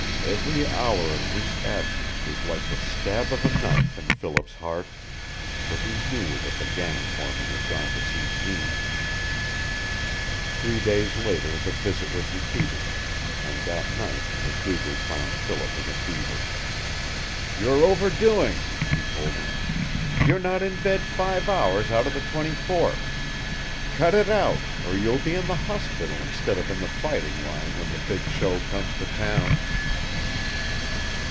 Every hour of his absence was like the stab of a knife in Philip's heart, for he knew that the gang foreman had gone to see Jeanne. Three days later the visit was repeated, and that night MacDougall found Philip in a fever. "You're overdoing," he told him. "You're not in bed five hours out of the twenty four. Cut it out, or you'll be in the hospital instead of in the fighting line when the big show comes to town."